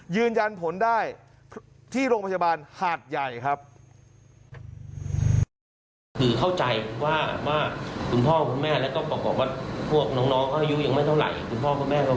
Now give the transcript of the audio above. ยืนยันผลได้ที่โรงพยาบาลหาดใหญ่ครับ